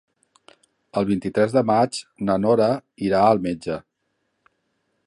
El vint-i-tres de maig na Nora irà al metge.